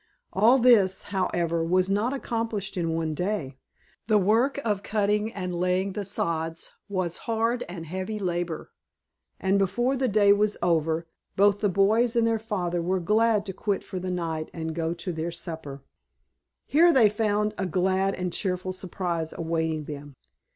All this, however, was not accomplished in one day. The work of cutting and laying the sods was hard and heavy labor, and before the day was over both the boys and their father were glad to quit for the night and go to their supper. Here they found a glad and cheerful surprise awaiting them.